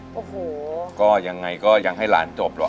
โอ้โหก็ยังไงก็ยังให้หลานจบหรอ